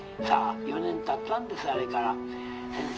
さあ４年たったんですあれから」。